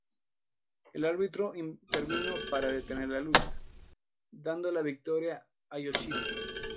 El árbitro intervino para detener la lucha, dando la victoria a Yoshida.